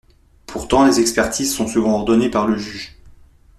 Pourtant, les expertises sont souvent ordonnées par le juge.